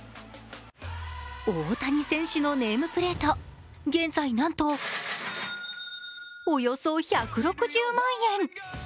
大谷選手のネームプレート、現在、なんとおよそ１６０万円！